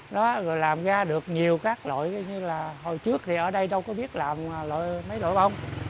nó rồi làm ra được nhiều các loại như là hồi trước thì ở đây đâu có biết làm mấy đội bông